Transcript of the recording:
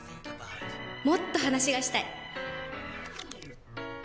「もっと話がしたい！！」